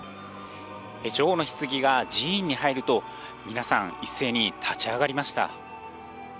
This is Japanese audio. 女王のひつぎが寺院に入ると、皆さん一斉に立ち上がりました。